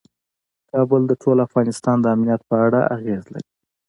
کابل د ټول افغانستان د امنیت په اړه اغېز لري.